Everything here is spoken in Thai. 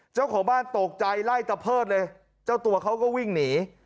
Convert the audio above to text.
เจ้าของบ้านตกใจไล่ตะเพิดเลยเจ้าตัวเขาก็วิ่งหนี